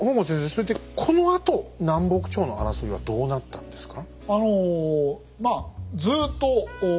それでこのあと南北朝の争いはどうなったんですか？